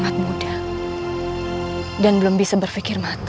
aku tidak mau bernard